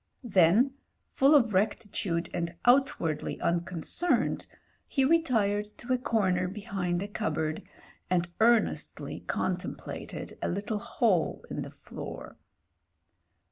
Then, full of rectitude and outwardly tmconcemed, he retired to a comer behind a cupboard and earnestly contemplated a little hole in the floor.